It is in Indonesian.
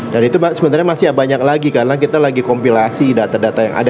dan itu sebenarnya masih banyak lagi karena kita lagi kompilasi data data yang ada